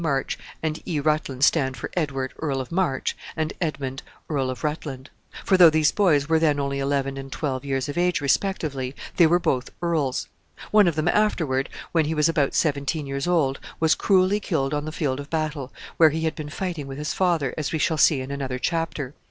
March and E. Rutland stand for Edward, Earl of March, and Edmund, Earl of Rutland; for, though these boys were then only eleven and twelve years of age respectively, they were both earls. One of them, afterward, when he was about seventeen years old, was cruelly killed on the field of battle, where he had been fighting with his father, as we shall see in another chapter.